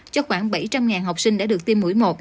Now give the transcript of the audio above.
cho khoảng bảy trăm linh học sinh đã được tiêm mũi một